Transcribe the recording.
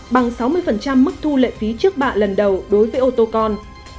bằng sáu mươi mức thu lệ phí trước bạ lần đầu đối với ô tô con